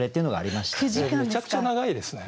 めちゃくちゃ長いですね。